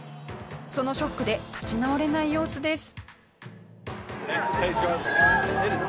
そのショックで立ち直れない様子です。